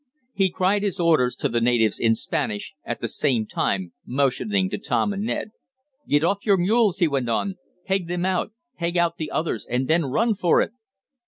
He cried his orders to the natives in Spanish, at the same time motioning to Tom and Ned. "Get off your mules!" he went on. "Peg them out. Peg out the others, and then run for it!"